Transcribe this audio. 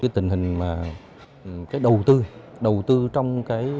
tình hình đầu tư trong